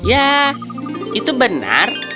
ya itu benar